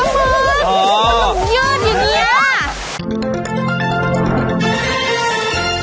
คุณลุยยืดมาพื้นมันรุ่นยืดอยู่นี่โอ้โฮ